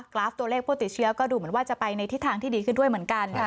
ราฟตัวเลขผู้ติดเชื้อก็ดูเหมือนว่าจะไปในทิศทางที่ดีขึ้นด้วยเหมือนกัน